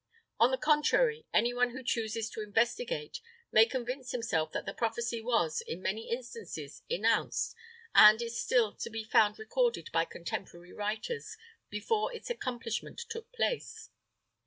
On the contrary, any one who chooses to investigate may convince himself that the prophecy was, in many instances, enounced, and is still to be found recorded by contemporary writers, before its accomplishment took place.